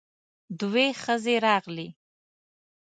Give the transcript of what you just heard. دوې ښځې راغلې.